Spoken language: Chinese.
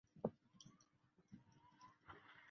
最可能的候选者是在双子座的超新星残骸杰敏卡。